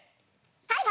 はい！